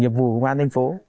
nghiệp vụ của công an thành phố